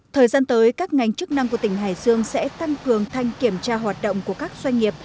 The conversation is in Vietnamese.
thời gian tới các ngành chức năng của tỉnh hải dương sẽ tăng cường thanh kiểm tra hoạt động của các doanh nghiệp